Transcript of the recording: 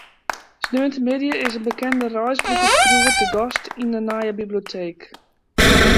Sneontemiddei is in bekende reisboekeskriuwer te gast yn de nije biblioteek.